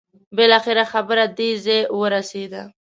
بالاخره خبره دې ځای ورسېده.